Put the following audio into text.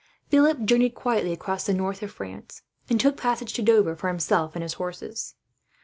Philip journeyed quietly across the north of France, and took passage to Dover for himself and his horses.